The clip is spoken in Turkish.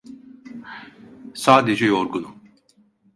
Sadece yorgunum.